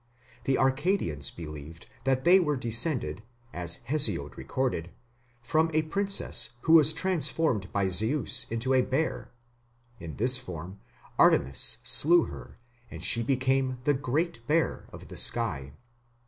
The Arcadians believed that they were descended, as Hesiod recorded, from a princess who was transformed by Zeus into a bear; in this form Artemis slew her and she became the "Great Bear" of the sky.